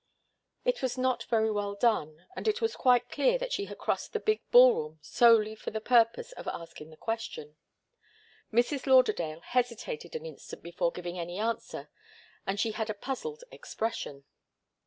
It was not very well done, and it was quite clear that she had crossed the big ball room solely for the purpose of asking the question. Mrs. Lauderdale hesitated an instant before giving any answer, and she had a puzzled expression.